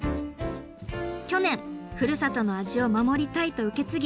去年「ふるさとの味を守りたい」と受け継ぎ